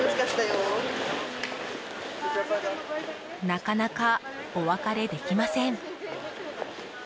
なかなかお別れできません。